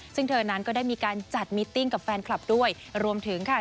ซึ่งเธอนั้นก็ได้มีการจัดมิตติ้งกับแฟนคลับด้วยรวมถึงค่ะ